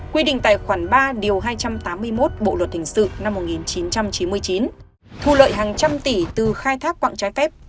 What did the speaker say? quy định tài khoản ba điều hai trăm tám mươi một bộ luật hình sự năm một nghìn chín trăm chín mươi chín thu lợi hàng trăm tỷ từ khai thác quạng trái phép